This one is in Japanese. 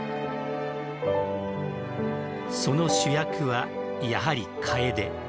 その主役はやはり、カエデ。